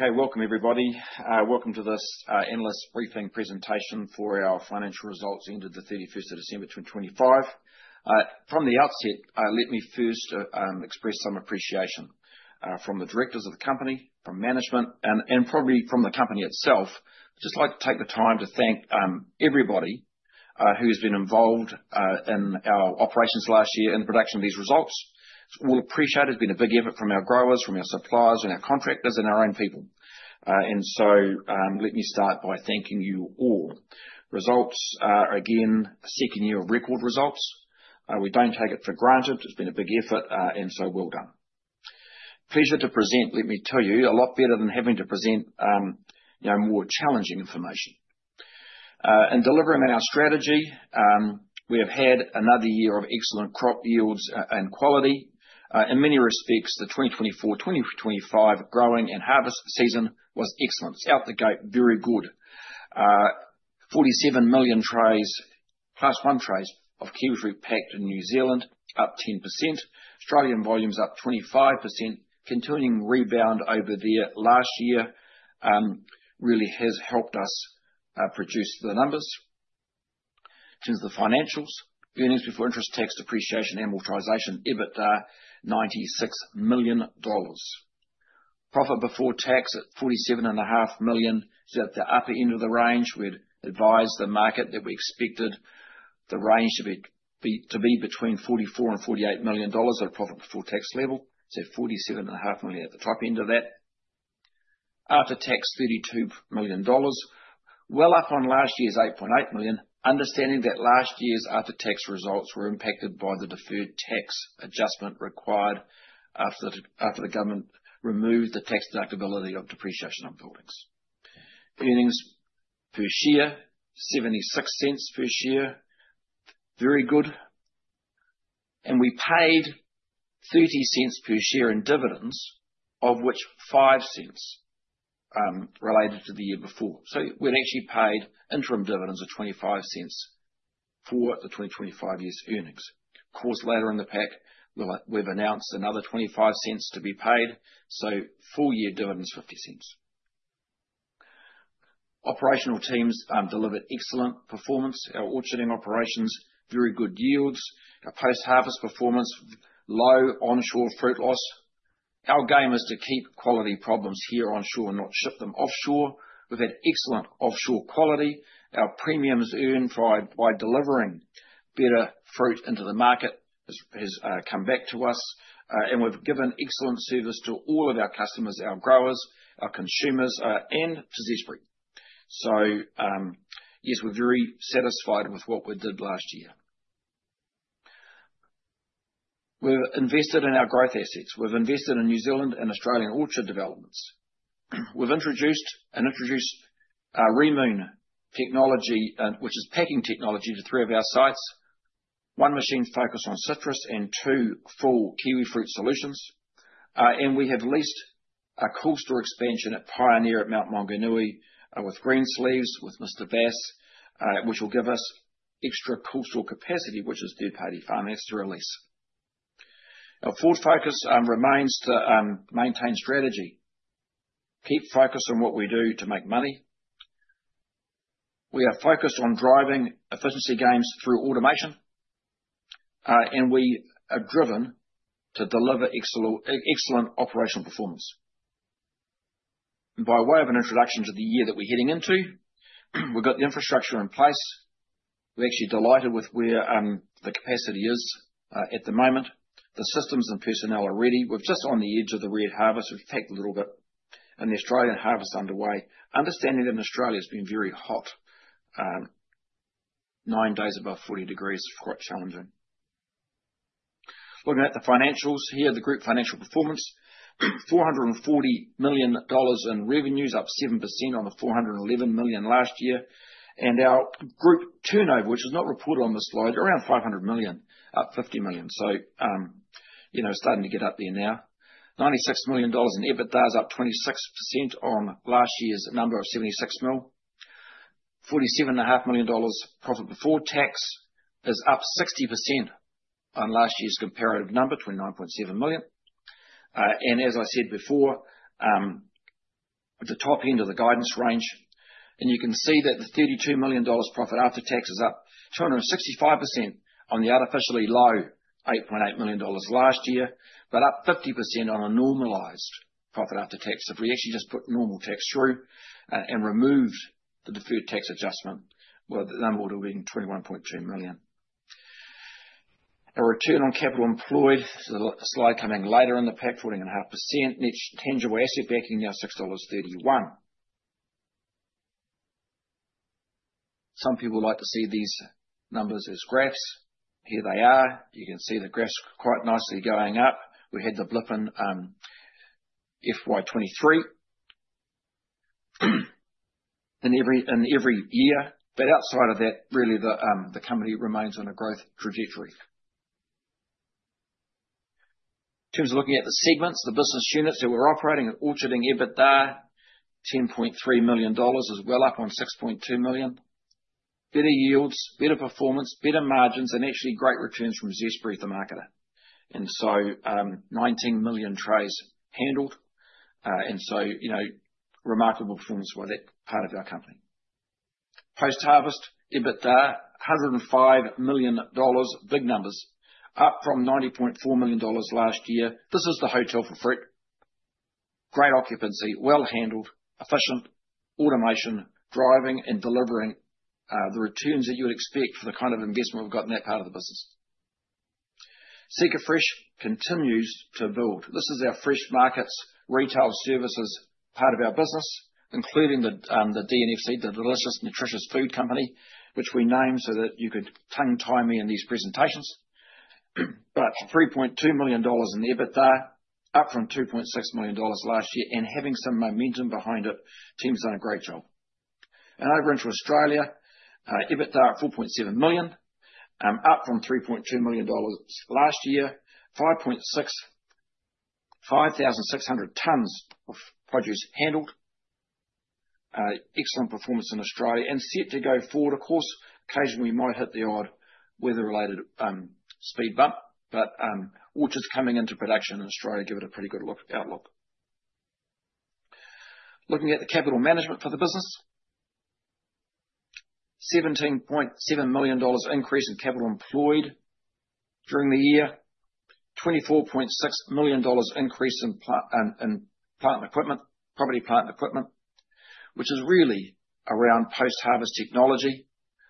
Okay, welcome everybody. Welcome to this analyst briefing presentation for our financial results ended the 31st of December 2025. From the outset, let me first, express some appreciation from the directors of the company, from management and probably from the company itself. Just like to take the time to thank, everybody, who's been involved in our operations last year in the production of these results. We'll appreciate it's been a big effort from our growers, from our suppliers, and our contractors and our own people. Let me start by thanking you all. Results are, again, a second year of record results. We don't take it for granted. It's been a big effort, and so well done. Pleasure to present, let me tell you, a lot better than having to present, you know, more challenging information. In delivering on our strategy, we have had another year of excellent crop yields and quality. In many respects, the 2024/2025 growing and harvest season was excellent. It's out the gate, very good. 47 million trays, plus one trays of kiwifruit packed in New Zealand, up 10%. Australian volumes up 25%. Continuing rebound over there last year, really has helped us produce the numbers. In terms of the financials, earnings before interest, tax, depreciation, amortization, EBITDA, 96 million dollars. Profit before tax at 47.5 million, so at the upper end of the range. We'd advised the market that we expected the range to be between 44 million-48 million dollars at a profit before tax level, so 47.5 million at the top end of that. After tax, 32 million dollars, well up on last year's 8.8 million, understanding that last year's after-tax results were impacted by the deferred tax adjustment required after the government removed the tax deductibility of depreciation of buildings. Earnings per share, 0.76 per share. Very good. We paid $NZD 0.30 per share in dividends, of which 0.05 related to the year before. We'd actually paid interim dividends of 0.25 for the 2025 year's earnings. Later in the pack, we'll, we've announced another 0.25 to be paid, so full year dividends, 0.50. Operational teams delivered excellent performance. Our orcharding operations, very good yields. Our Post Harvest performance, low onshore fruit loss. Our game is to keep quality problems here onshore, not ship them offshore. We've had excellent offshore quality. Our premiums earned by delivering better fruit into the market has come back to us. We've given excellent service to all of our customers, our growers, our consumers, and to Zespri. Yes, we're very satisfied with what we did last year. We've invested in our growth assets. We've invested in New Zealand and Australian orchard developments. We've introduced Reemoon technology, which is packing technology, to three of our sites. One machine focused on citrus and two full kiwifruit solutions. We have leased a cool store expansion at Pioneer at Mount Maunganui, with Greensleeves, with Mr. Bass, which will give us extra cool store capacity, which is third-party farmers to release. Our forward focus remains to maintain strategy, keep focused on what we do to make money. We are focused on driving efficiency gains through automation, and we are driven to deliver excellent operational performance. By way of an introduction to the year that we're heading into, we've got the infrastructure in place. We're actually delighted with where the capacity is at the moment. The systems and personnel are ready. We're just on the edge of the red harvest. We've taken a little bit. The Australian harvest underway. Understanding that Australia's been very hot. Nine days above 40 degrees is quite challenging. Looking at the financials here, the group financial performance, 440 million dollars in revenues, up 7% on the 411 million last year. Our group turnover, which is not reported on this slide, around 500 million, up 50 million. You know, starting to get up there now. 96 million dollars in EBITDA is up 26% on last year's number of 76 million. 47 and a half million dollars profit before tax is up 60% on last year's comparative number, 29.7 million. As I said before, the top end of the guidance range, and you can see that the 32 million dollars profit after tax is up 265% on the artificially low 8.8 million dollars last year. Up 50% on a normalized profit after tax. If we actually just put normal tax through and removed the deferred tax adjustment, well, the number would have been 21.2 million. A return on capital employed, there's a slide coming later in the pack, 14.5%. Net tangible asset backing now 6.31 dollars. Some people like to see these numbers as graphs. Here they are. You can see the graphs quite nicely going up. We had the blip in FY 2023. In every year. Outside of that, really the company remains on a growth trajectory. In terms of looking at the segments, the business units that we're operating at orcharding EBITDA, 10.3 million dollars is well up on 6.2 million. Better yields, better performance, better margins, actually great returns from Zespri as the marketer. 19 million trays handled. You know, remarkable performance for that part of our company. Post-Harvest, EBITDA, 105 million dollars, big numbers, up from 90.4 million dollars last year. This is the hotel for fruit. Great occupancy, well handled, efficient automation, driving and delivering, the returns that you would expect for the kind of investment we've got in that part of the business. SeekaFresh continues to build. This is our fresh markets, retail services part of our business, including the DNFC, the Delicious Nutritious Food Company, which we named so that you could tongue-tie me in these presentations. 3.2 million dollars in EBITDA, up from 2.6 million dollars last year, and having some momentum behind it. Team's done a great job. Over into Australia, EBITDA at 4.7 million, up from 3.2 million dollars last year. 5,600 tons of produce handled. Excellent performance in Australia and set to go forward. Of course, occasionally we might hit the odd weather-related speed bump, but orchards coming into production in Australia give it a pretty good look-outlook. Looking at the capital management for the business. 17.7 million dollars increase in capital employed during the year. 24.6 million dollars increase in plant equipment, property, plant and equipment, which is really around Post Harvest technology.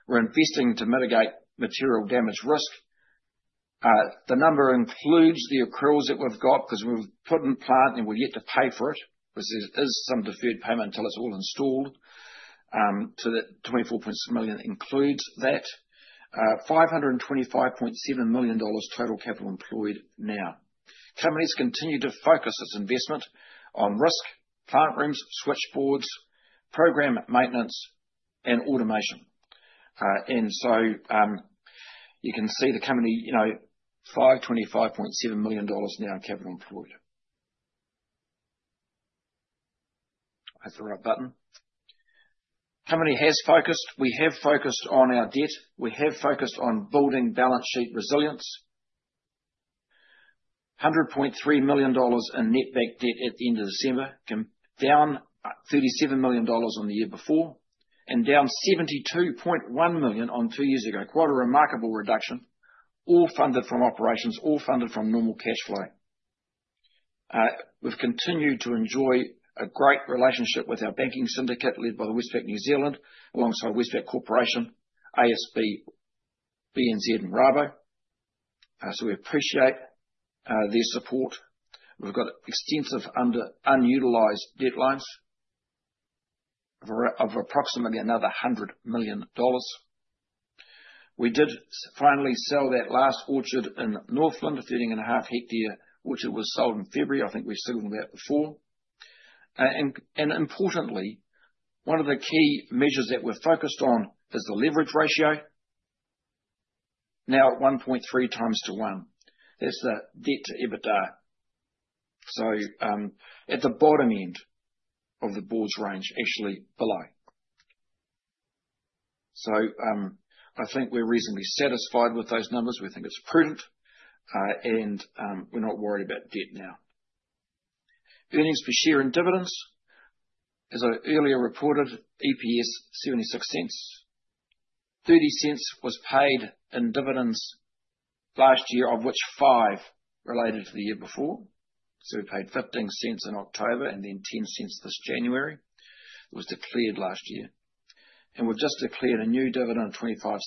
We're investing to mitigate material damage risk. The number includes the accruals that we've got 'cause we've put in plant, and we're yet to pay for it. There is some deferred payment until it's all installed. That 24.6 million includes that. 525.7 million dollars total capital employed now. Company's continued to focus its investment on risk, plant rooms, switchboards, program maintenance, and automation. You can see the company 525.7 million dollars now capital employed. Hit the right button. We have focused on our debt. We have focused on building balance sheet resilience. 100.3 million dollars in net bank debt at the end of December, down 37 million dollars on the year before, and down 72.1 million on two years ago. Quite a remarkable reduction, all funded from operations, all funded from normal cash flow. We've continued to enjoy a great relationship with our banking syndicate led by Westpac New Zealand, alongside Westpac Banking Corporation, ASB, BNZ, and Rabobank. We appreciate their support. We've got extensive unutilized debt lines of approximately another 100 million dollars. We did finally sell that last orchard in Northland, 13.5 hectare orchard was sold in February. I think we've spoken about it before. Importantly, one of the key measures that we're focused on is the leverage ratio. Now at 1.3x to one. That's the debt to EBITDA. At the bottom end of the board's range, actually below. I think we're reasonably satisfied with those numbers. We think it's prudent, and we're not worried about debt now. Earnings per share and dividends. As I earlier reported, EPS 0.76. 0.30 was paid in dividends last year, of which 0.05 related to the year before. We paid 0.15 in October and then 0.10 this January. It was declared last year. We've just declared a new dividend of 0.25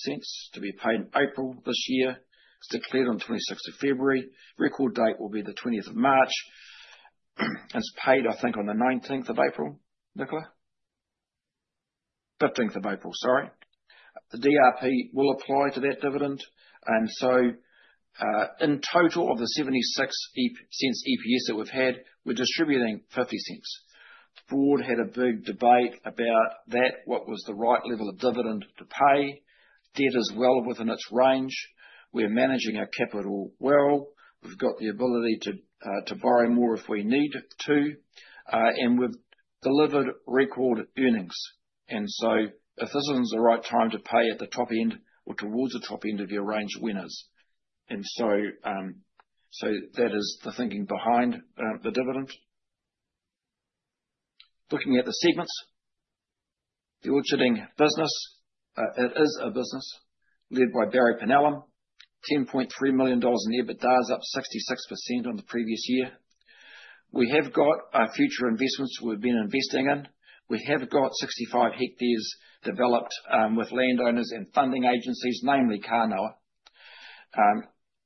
to be paid in April this year. It's declared on 26th of February. Record date will be the 20th of March. It's paid, I think, on the 19th of April. Nicola. 15th of April, sorry. The DRP will apply to that dividend. In total of the 0.76 EPS that we've had, we're distributing 0.50. The board had a big debate about that. What was the right level of dividend to pay? Debt is well within its range. We're managing our capital well. We've got the ability to borrow more if we need to. We've delivered record earnings. If this isn't the right time to pay at the top end or towards the top end of the arranged winners. That is the thinking behind the dividend. Looking at the segments, the orcharding business, it is a business led by Barry Penellum. 10.3 million dollars in EBITDA is up 66% on the previous year. We have got future investments we've been investing in. We have got 65 hectares developed with landowners and funding agencies, namely Kānoa.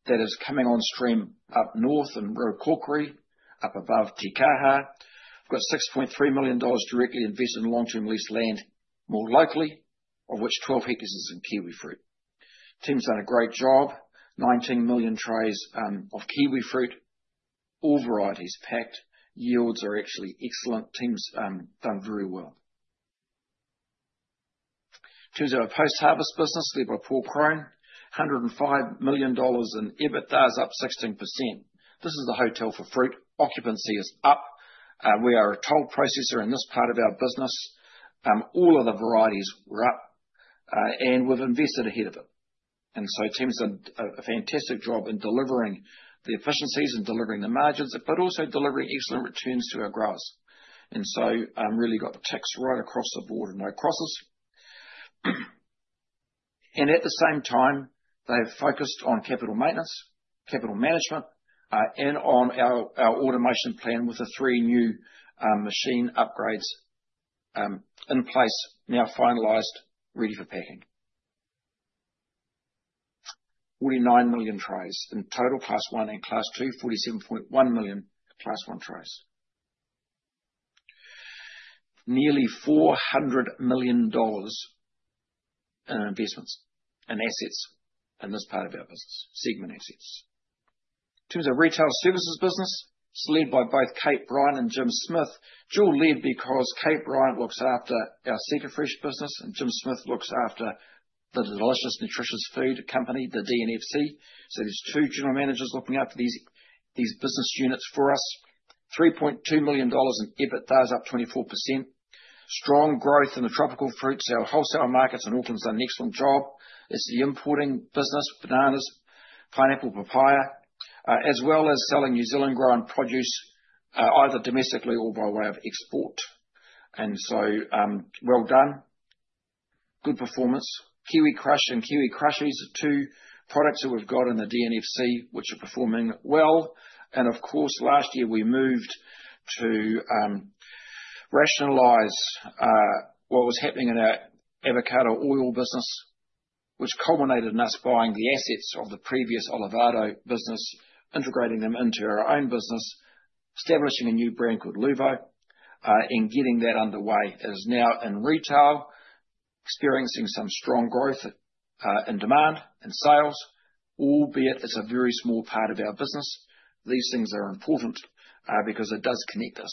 That is coming on stream up north in Ruakākā, up above Te Kaha. We've got 6.3 million dollars directly invested in long-term leased land, more locally, of which 12 hectares is in kiwifruit. Team's done a great job. 19 million trays of kiwifruit, all varieties packed. Yields are actually excellent. Team's done very well. In terms of our PostHarvest business, led by Paul Crone. 105 million dollars in EBITDA, is up 16%. This is the hotel for fruit. Occupancy is up. We are a toll processor in this part of our business. All of the varieties were up. We've invested ahead of it. Team's done a fantastic job in delivering the efficiencies and delivering the margins, but also delivering excellent returns to our growers. Really got the ticks right across the board, no crosses. At the same time, they've focused on capital maintenance, capital management, and on our automation plan with the three new machine upgrades in place now finalized, ready for packing. 49 million trays in total, Class One and Class Two. 47.1 million Class One trays. Nearly 400 million dollars in investments and assets in this part of our business, segment assets. In terms of retail services business, it's led by both Kate Bryant and Jim Smith. Dual led because Kate Bryant looks after our SeekaFresh business, and Jim Smith looks after the Delicious Nutritious Food Company, the DNFC. There's two general managers looking after these business units for us. 3.2 million dollars in EBITDA is up 24%. Strong growth in the tropical fruits. Our wholesale markets in Auckland has done an excellent job. It's the importing business, bananas, pineapple, papaya, as well as selling New Zealand grown produce, either domestically or by way of export. Well done. Good performance. Kiwi Crush and Kiwi Crushies are two products that we've got in the DNFC which are performing well. Of course, last year we moved to rationalize what was happening in our avocado oil business, which culminated in us buying the assets of the previous Olivado business, integrating them into our own business, establishing a new brand called LUVO, and getting that underway. It is now in retail, experiencing some strong growth in demand, in sales, albeit it's a very small part of our business. These things are important because it does connect us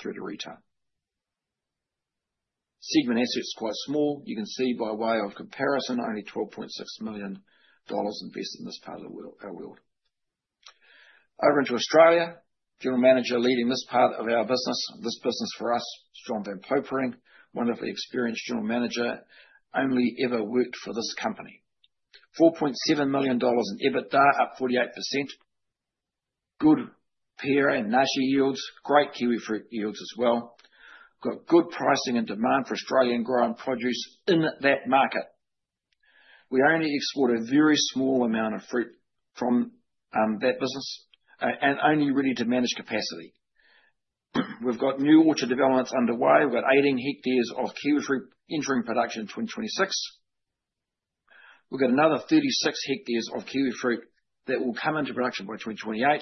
through to retail. Segment assets quite small. You can see by way of comparison, only 12.6 million dollars invested in this part of the world, our world. Over into Australia. General manager leading this part of our business. This business for us, Jonathan van Popering, wonderfully experienced general manager, only ever worked for this company. 4.7 million dollars in EBITDA, up 48%. Good pear and nashi yields. Great kiwifruit yields as well. Got good pricing and demand for Australian grown produce in that market. We only export a very small amount of fruit from that business and only really to manage capacity. We've got new orchard developments underway. We've got 18 hectares of kiwifruit entering production in 2026. We've got another 36 hectares of kiwifruit that will come into production by 2028.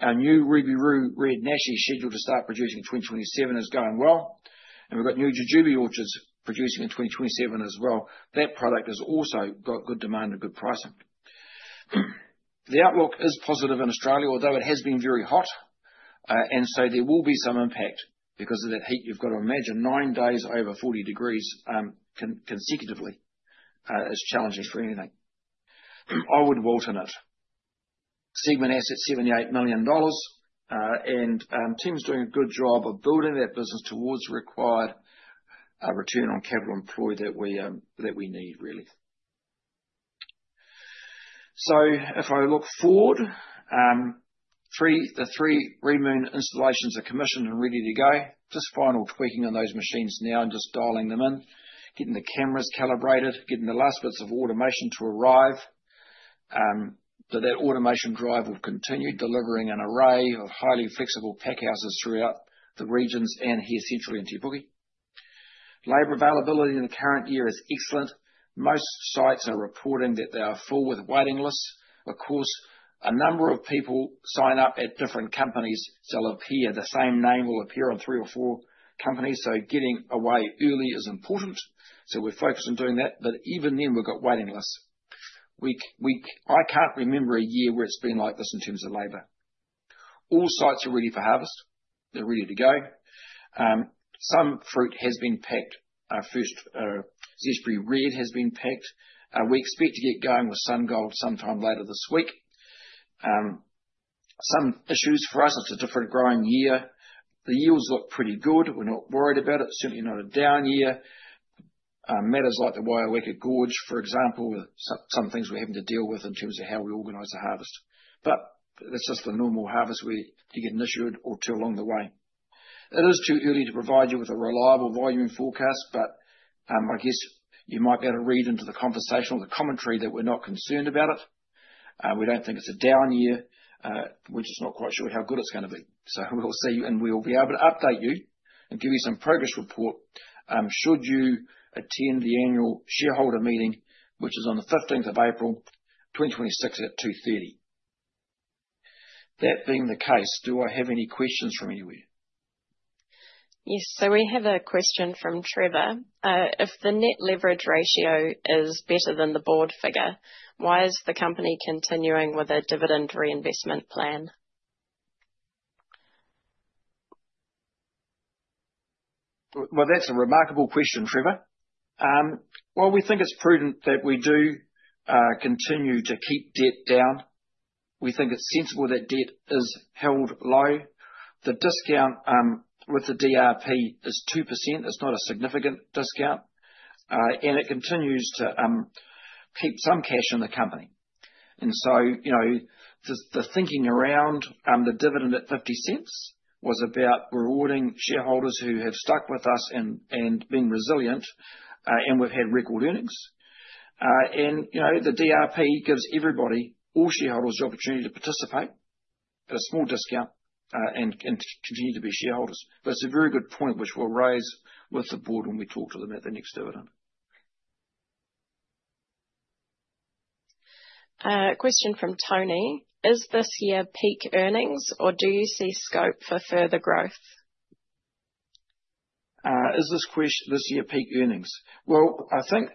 Our new Ruby Roo red nashi scheduled to start producing in 2027 is going well. We've got new jujube orchards producing in 2027 as well. That product has also got good demand and good pricing. The outlook is positive in Australia, although it has been very hot. There will be some impact because of that heat. You've got to imagine nine days over 40 degrees, consecutively, is challenging for anything. I would wilt in it. Segment asset 78 million dollars. Team's doing a good job of building that business towards the required return on capital employed that we need really. If I look forward, the three Reemoon installations are commissioned and ready to go. Just final tweaking on those machines now and just dialing them in, getting the cameras calibrated, getting the last bits of automation to arrive. That automation drive will continue delivering an array of highly flexible pack houses throughout the regions and here centrally in Te Puke. Labor availability in the current year is excellent. Most sites are reporting that they are full with waiting lists. A number of people sign up at different companies, so they'll appear. The same name will appear on three or four companies, so getting away early is important. We're focused on doing that. Even then, we've got waiting lists. I can't remember a year where it's been like this in terms of labor. All sites are ready for harvest. They're ready to go. Some fruit has been packed. Our first Zespri RubyRed has been packed. We expect to get going with Zespri SunGold sometime later this week. Some issues for us. It's a different growing year. The yields look pretty good. We're not worried about it. Certainly not a down year. Matters like the Waioeka Gorge, for example, some things we're having to deal with in terms of how we organize the harvest. That's just the normal harvest. You get an issue or two along the way. It is too early to provide you with a reliable volume forecast, I guess you might be able to read into the conversation or the commentary that we're not concerned about it. We don't think it's a down year. We're just not quite sure how good it's gonna be. We'll see, and we'll be able to update you and give you some progress report should you attend the annual shareholder meeting, which is on the 15th of April, 2026 at 2:30 P.M. That being the case, do I have any questions from anywhere? Yes. We have a question from Trevor. If the net leverage ratio is better than the board figure, why is the company continuing with a dividend reinvestment plan? Well, that's a remarkable question, Trevor. Well, we think it's prudent that we do continue to keep debt down. We think it's sensible that debt is held low. The discount with the DRP is 2%. It's not a significant discount. It continues to keep some cash in the company. You know, the thinking around the dividend at 0.50 was about rewarding shareholders who have stuck with us and been resilient. We've had record earnings. You know, the DRP gives everybody, all shareholders the opportunity to participate at a small discount and continue to be shareholders. It's a very good point, which we'll raise with the board when we talk to them at the next dividend. Question from Tony: Is this year peak earnings, or do you see scope for further growth? Is this year peak earnings? Well, I think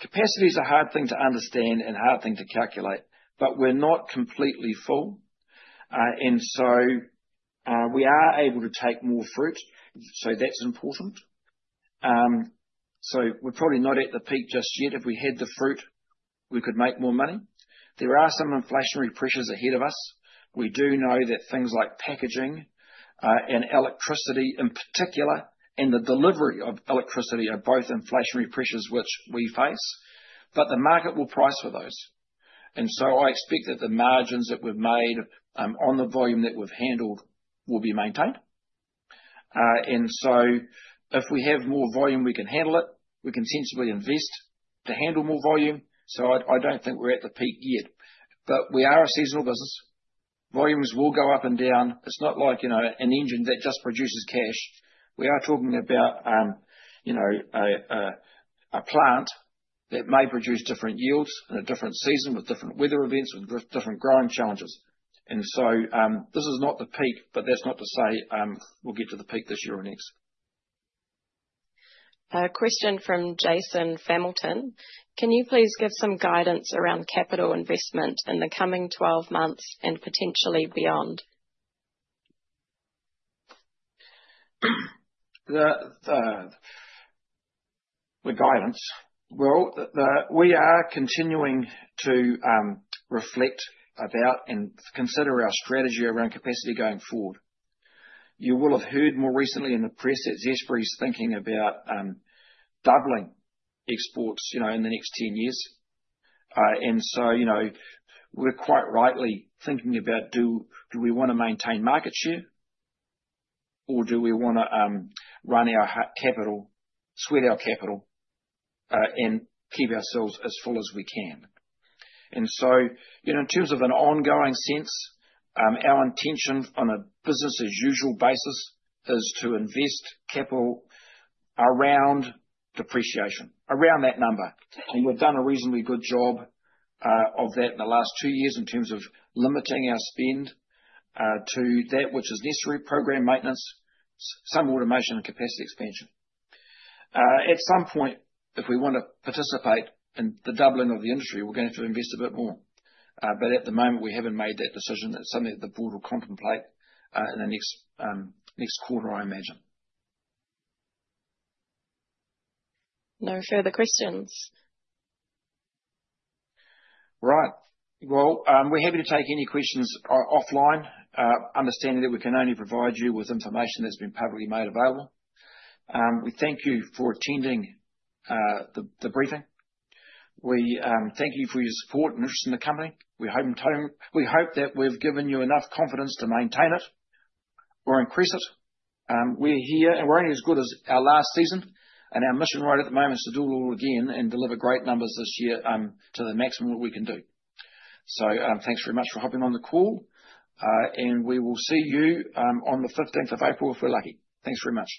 capacity is a hard thing to understand and a hard thing to calculate, but we're not completely full. We are able to take more fruit, so that's important. We're probably not at the peak just yet. If we had the fruit, we could make more money. There are some inflationary pressures ahead of us. We do know that things like packaging, and electricity in particular, and the delivery of electricity are both inflationary pressures which we face, but the market will price for those. I expect that the margins that we've made, on the volume that we've handled will be maintained. If we have more volume, we can handle it. We can sensibly invest to handle more volume. I don't think we're at the peak yet. We are a seasonal business. Volumes will go up and down. It's not like, you know, an engine that just produces cash. We are talking about, you know, a plant that may produce different yields in a different season with different weather events, with different growing challenges. This is not the peak, but that's not to say, we'll get to the peak this year or next. A question from Jason Familton: Can you please give some guidance around capital investment in the coming 12 months and potentially beyond? The guidance. Well, we are continuing to reflect about and consider our strategy around capacity going forward. You will have heard more recently in the press that Zespri is thinking about doubling exports, you know, in the next 10 years. You know, we're quite rightly thinking about do we wanna maintain market share or do we wanna run our capital, sweat our capital, and keep ourselves as full as we can? You know, in terms of an ongoing sense, our intention on a business as usual basis is to invest capital around depreciation, around that number. We've done a reasonably good job of that in the last two years in terms of limiting our spend to that which is necessary program maintenance, some automation and capacity expansion. At some point, if we want to participate in the doubling of the industry, we're going to invest a bit more. At the moment, we haven't made that decision. It's something that the board will contemplate in the next quarter, I imagine. No further questions. Right. Well, we're happy to take any questions offline, understanding that we can only provide you with information that's been publicly made available. We thank you for attending the briefing. We thank you for your support and interest in the company. We hope that we've given you enough confidence to maintain it or increase it. We're here, and we're only as good as our last season, and our mission right at the moment is to do it all again and deliver great numbers this year to the maximum that we can do. Thanks very much for hopping on the call, and we will see you on the 15th of April, if we're lucky. Thanks very much.